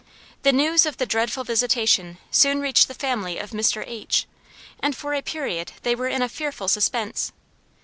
The news of the dreadful visitation soon reached the family of Mr. H. and for a period they were in a fearful suspense.